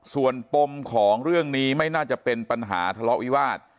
ส่วนปมของเรื่องนี้ไม่น่าจะเป็นปัญหาทะเลาะวิวาส